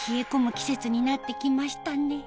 季節になってきましたね